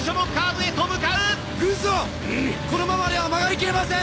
このままでは曲がりきれません！